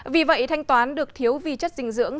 vì vậy thanh toán được thiếu vi chất dinh dưỡng